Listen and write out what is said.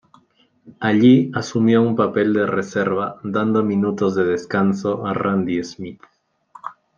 Allí asumió un papel de reserva, dando minutos de descanso a Randy Smith.